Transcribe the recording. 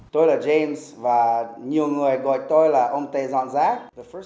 tôi là james và nhiều người gọi tôi là ông tây dọn rác